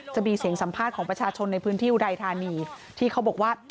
จะมีเสียงสัมภาษณ์ของประชาชนในพื้นที่อุดัยธานีที่เขาบอกว่า